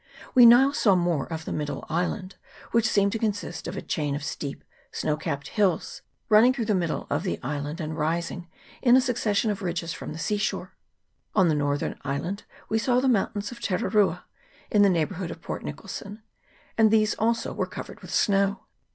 We now saw more of the middle island, which seemed to consist of a chain of steep snow capped hills, running through the middle of the island, and rising in a succession of ridges from the sea shore. On the northern island we saw the mountains of Tararua in the neighbourhood of Port Nicholson ; these also were covered with snow.